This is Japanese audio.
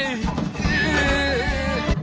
え。